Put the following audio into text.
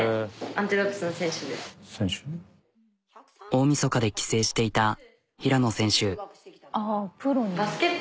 大みそかで帰省していた平野選手。